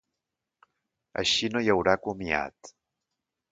Així no hi haurà comiat.